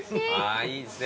いいですね。